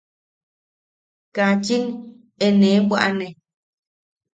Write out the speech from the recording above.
–Kaachin e nee bwaʼane.